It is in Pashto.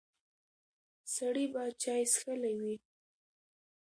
سړی به چای څښلی وي.